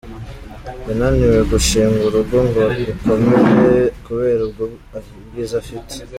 yananiwe gushinga urugo ngo rukomere kubera ubwiza afite